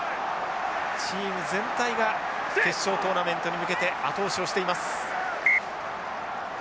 チーム全体が決勝トーナメントに向けて後押しをしています。